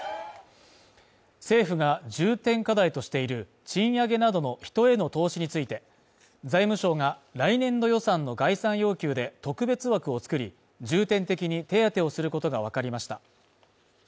政府が重点課題としている賃上げなどの人への投資について、財務省が来年度予算の概算要求で、特別枠を作り、重点的に手当をすることがわかりました。